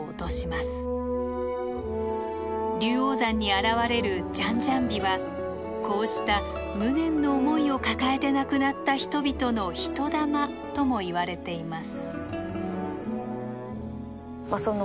龍王山に現れるじゃんじゃん火はこうした無念の思いを抱えて亡くなった人々の「人魂」ともいわれています。